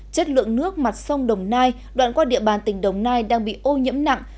chất lượng nước mặt sông đồng nai đoạn qua địa bàn tỉnh đồng nai đang bị ô nhiễm nặng